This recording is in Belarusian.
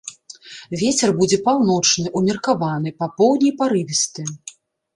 Вецер будзе паўночны, умеркаваны, па поўдні парывісты.